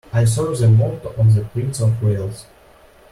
I serve the motto of the Prince of Wales.